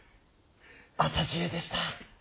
浅知恵でした。